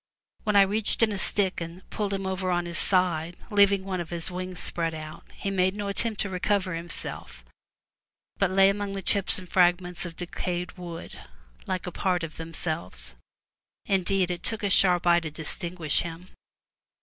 When I reached in a stick and pulled him over on his side, leaving one of his wings spread out, he made no attempt to recover himself, but lay among the chips and fragments of decayed wood, like a part of themselves. Indeed, it took a sharp eye to distinguish him.